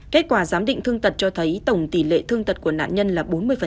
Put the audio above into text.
kết quả giám định thương tật cho thấy tổng tỷ lệ thương tật của nạn nhân là bốn mươi